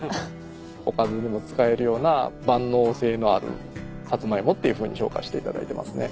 おかずにも使えるような万能性のあるサツマイモっていうふうに評価していただいてますね。